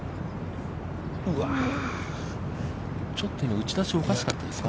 ちょっと今打ち出しおかしかったですか。